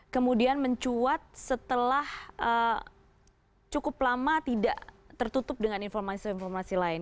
kemudian mencuat setelah cukup lama tidak tertutup dengan informasi informasi lain